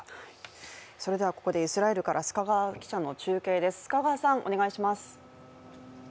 ここでイスラエルから須賀川記者との中継です。